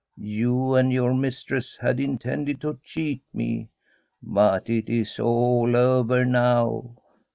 You and your mistress had intended to cheat me. But it is all over now.'